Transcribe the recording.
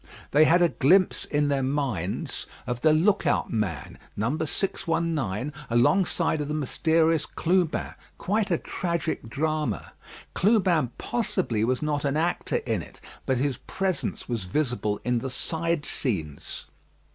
They had a glimpse in their minds of the look out man, number 619, alongside of the mysterious Clubin quite a tragic drama. Clubin possibly was not an actor in it, but his presence was visible in the side scenes.